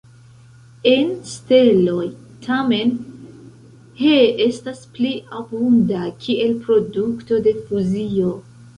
En steloj, tamen, He estas pli abunda, kiel produkto de fuzio.